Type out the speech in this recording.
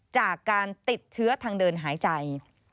จากการติดเชื้อทางเดินหายใจ